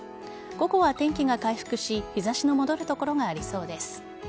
午後は天気が回復し日差しの戻る所がありそうです。